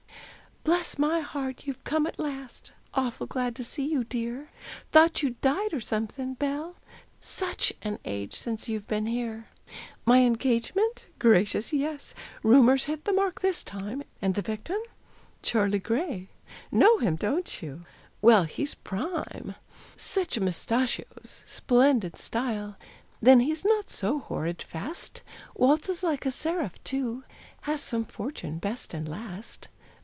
Bless my heart! You've come at last, Awful glad to see you, dear! Thought you'd died or something, Belle Such an age since you've been here! My engagement? Gracious! Yes. Rumor's hit the mark this time. And the victim? Charley Gray. Know him, don't you? Well, he's prime. Such mustachios! splendid style! Then he's not so horrid fast Waltzes like a seraph, too; Has some fortune best and last.